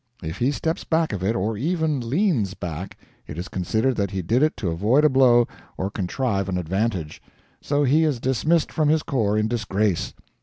If he steps back of it, or even leans back, it is considered that he did it to avoid a blow or contrive an advantage; so he is dismissed from his corps in disgrace.